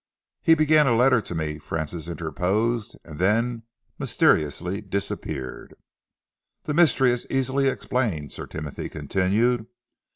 "He began a letter to me," Francis interposed, "and then mysteriously disappeared." "The mystery is easily explained," Sir Timothy continued.